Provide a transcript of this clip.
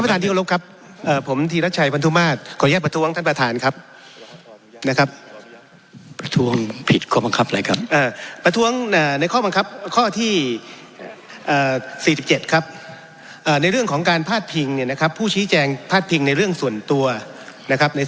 ผมเรียนขอให้ท่านประธานได้โปรดวิจัยด้วยครับ